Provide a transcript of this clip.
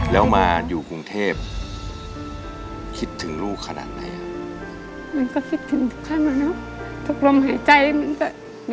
แล้วมาอยู่กรุงเทพคิดถึงลูกขนาดไหนครับ